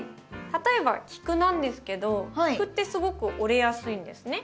例えばキクなんですけどキクってすごく折れやすいんですね。